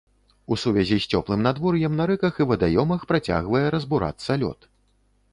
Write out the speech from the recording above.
У сувязі з цёплым надвор'ем на рэках і вадаёмах працягвае разбурацца лёд.